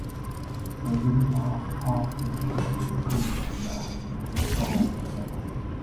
Over the last half-century, the group amassed many gold records.